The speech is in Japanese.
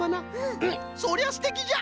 うんそりゃすてきじゃ！